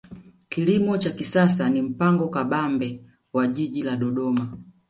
kilimo cha kisasa ni mpango kabambe wa jiji la dodoma